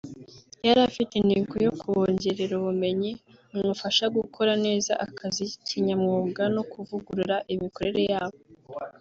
yari afite intego yo kubongerera ubumenyi bubafasha gukora neza akazi kinyamwuga no kuvugurura imikorere yabo